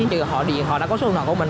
chứ họ đi họ đã có số điện thoại của mình